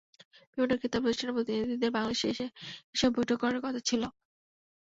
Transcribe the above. বিভিন্ন ক্রেতা প্রতিষ্ঠানের প্রতিনিধিদের বাংলাদেশে এসে এসব বৈঠক করার কথা ছিল।